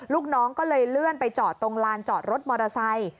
ลูกน้องก็เลยเลื่อนไปจอดตรงลานจอดรถมอเตอร์ไซค์